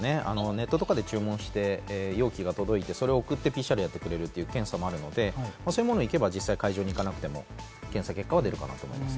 ネットで注文して容器が届いて、それをやってＰＣＲ検査をやってくれるというものもあるので、実際、会場に行かなくても検査結果が出るかなと思います。